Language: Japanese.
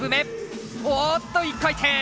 おっと一回転！